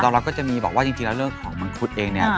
เราก็จะมีบอกว่าจริงแล้วเรื่องของมังคุดเองเนี่ย